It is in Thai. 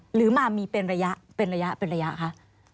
หรือมามีเป็นระยะเป็นระยะเป็นระยะคะ